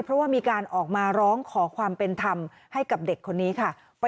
เพราะว่ามีการออกมาร้องขอความเป็นธรรมให้กับเด็กคนนี้ค่ะ